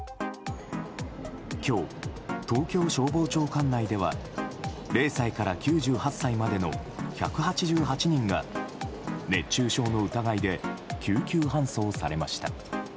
今日、東京消防庁管内では０歳から９８歳までの１８８人が熱中症の疑いで救急搬送されました。